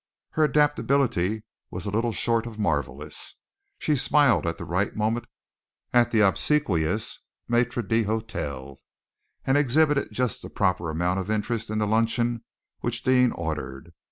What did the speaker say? Her adaptability was little short of marvellous. She smiled at the right moment at the obsequious maître d'hôtel, and exhibited just the proper amount of interest in the luncheon which Deane ordered.